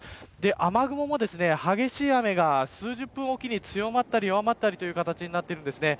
雨雲も激しい雨が数十分おきに強まったり弱まったりという形になっているんですね。